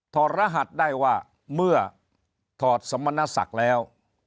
ถอดรหัสได้ว่าเมื่อถอดสมณศักดิ์แล้ว